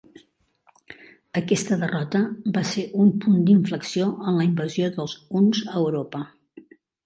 Aquesta derrota va ser un punt d'inflexió en la invasió dels huns a Europa.